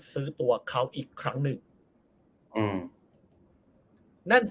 ซื้อตัวเขาอีกครั้งหนึ่ง